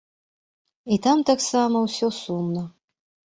І там таксама ўсё сумна.